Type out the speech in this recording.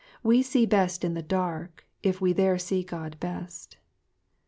We see best in the dark if we there see God best.